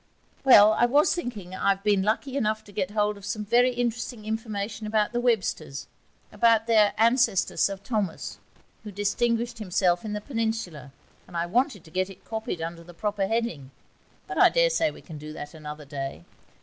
'Well; I was thinking I've been lucky enough to get hold of some very interesting information about the Websters about their ancestor Sir Thomas, who distinguished himself in the Peninsular and I wanted to get it copied under the proper heading, but I daresay we can do that another day.